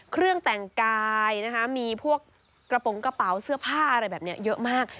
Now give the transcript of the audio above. เครื่องแต่งกายนะคะมีพวกกระโปรงกระเป๋าเสื้อผ้าอะไรแบบนี้เยอะมาก